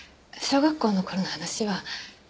小学校の頃の話は。